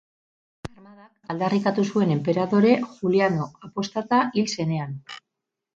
Armadak aldarrikatu zuen enperadore Juliano Apostata hil zenean.